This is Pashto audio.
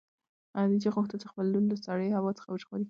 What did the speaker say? خدیجې غوښتل چې خپله لور له سړې هوا څخه وژغوري.